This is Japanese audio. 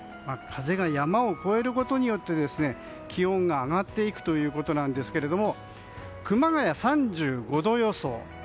風が山を越えることによって気温が上がっていくということなんですけれども熊谷、３５度予想。